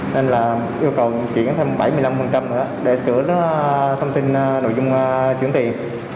nên là yêu cầu chuyển thêm bảy mươi năm nữa để sửa thông tin nội dung chuyển tiền